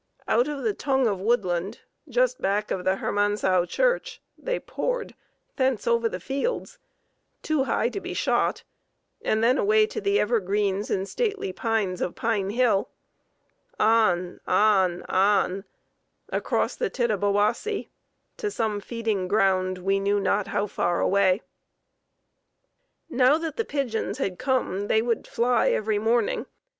Out of the tongue of woodland, just back of the Hermansau Church, they poured, thence over the fields, too high to be shot, and then away to the evergreens and stately pines of Pine Hill; on, on, on across the Tittabawassee, to some feeding ground we knew not how far away. Now that the pigeons had come they would "fly" every morning.